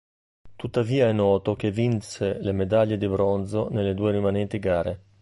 Tuttavia è noto che vinse le medaglie di bronzo nelle due rimanenti gare.